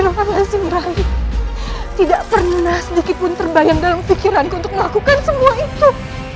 tapi rai tidak pernah sedikit pun terbayang dalam pikiranku untuk melakukan semua itu